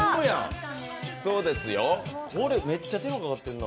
これめっちゃ手間かかってんな。